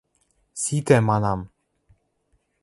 Ситӓ, манам!